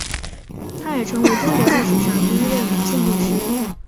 她也成为中国历史上第一位女性律师。